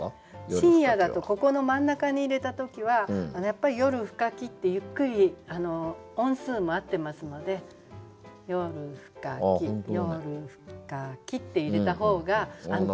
「深夜」だとここの真ん中に入れた時はやっぱり「夜深き」ってゆっくり音数も合ってますので「夜深き」って入れた方が安定します。